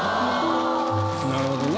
なるほどね。